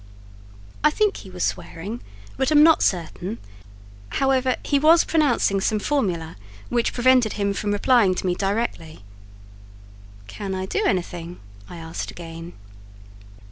I think he was swearing, but am not certain; however, he was pronouncing some formula which prevented him from replying to me directly. "Can I do anything?" I asked again.